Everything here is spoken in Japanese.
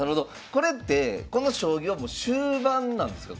これってこの将棋はもう終盤なんですか？